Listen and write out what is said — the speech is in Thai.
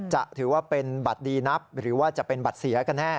จะถือว่าเป็นบัตรดีนับหรือว่าจะเป็นบัตรเสียกันแน่